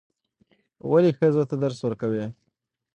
ولې ښځو ته درس ورکوئ؟